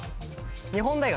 日本大学。